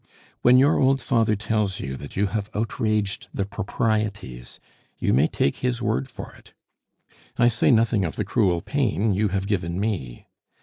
"When your old father tells you that you have outraged the proprieties, you may take his word for it. I say nothing of the cruel pain you have given me.